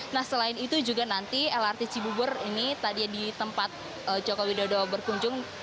nah selain itu juga nanti lrt cibubur ini tadi di tempat joko widodo berkunjung